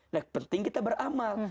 nah penting kita beramal